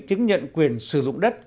chứng nhận quyền sử dụng đất